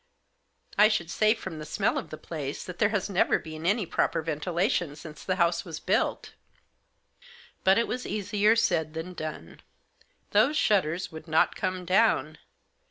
I should say from the smell of the place that there has never been any proper ventilation since the house was built." But it was easier said than done. Those shutters would not come down.